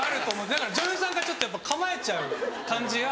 だから女優さんがちょっとやっぱ構えちゃう感じが。